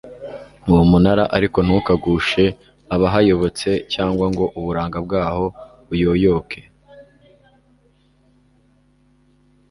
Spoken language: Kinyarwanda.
uwo munara ariko ntukagushe abahayobotse cyangwa ngo uburanga bwaho buyoyoke